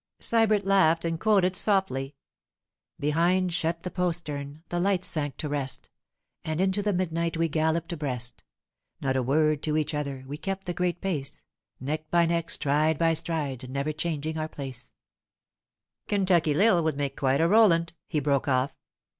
Sybert laughed and quoted softly:— 'Behind shut the postern, the lights sank to rest, And into the midnight we galloped abreast. Not a word to each other; we kept the great pace— Neck by neck, stride by stride, never changing our place—— Kentucky Lil would make quite a Roland,' he broke off.